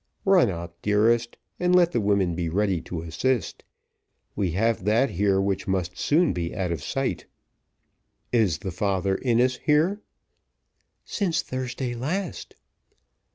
"Run up, dearest, and let the women be ready to assist. We have that here which must soon be out of sight. Is the Father Innis here?" "Since Thursday last."